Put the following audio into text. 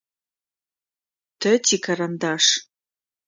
Тэ тикарандаш.